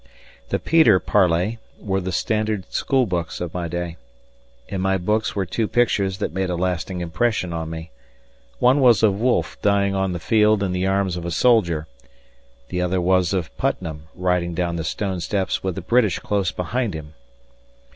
The "Peter Parley" were the standard schoolbooks of my day. In my books were two pictures that made a lasting impression on me. One was of Wolfe dying on the field in the arms of a soldier; the other was of Putnam riding down the stone steps with the British close behind him.